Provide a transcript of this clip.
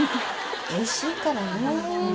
おいしいからね。